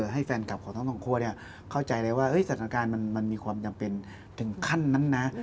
ให้แฟนคลับของทั้งสองคั่วเข้าใจเลยว่าสถานการณ์มันมีความจำเป็นถึงขั้นนั้นนะ